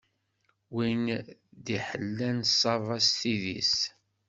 Win d-iḥellan ṣṣaba s tidi-s.